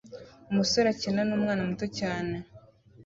Umusore akina numwana muto cyane